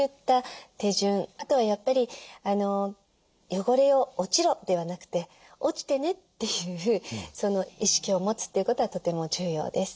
あとはやっぱり汚れを「落ちろ」ではなくて「落ちてね」っていうその意識を持つということはとても重要です。